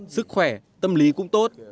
sức khỏe tâm lý cũng tốt